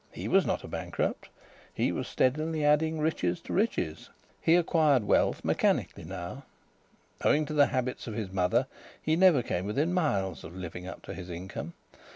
He was not a bankrupt. He was steadily adding riches to riches. He acquired wealth mechanically now. Owing to the habits of his mother, he never came within miles of living up to his income.